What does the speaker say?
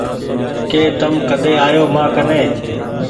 ڪه تم ڪۮي آيو مآ ڪني